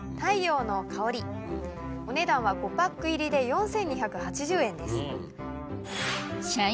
お値段は５パック入りで４２８０円です。